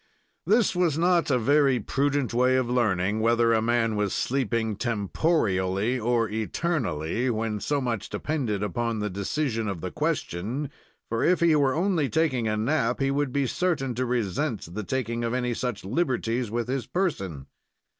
This was not a very prudent way of learning whether a man was sleeping temporially or eternally, when so much depended upon the decision of the question, for, if he were only taking a nap, he would be certain to resent the taking of any such liberties with his person.